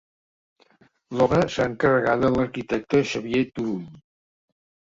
L'obra serà encarregada a l'arquitecte Xavier Turull.